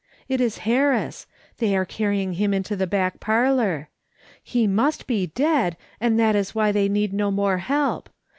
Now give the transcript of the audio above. It is Harris ; they are carrying him into the back parlour. He must be dead, and that is why they need no more help.